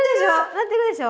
なってるでしょ。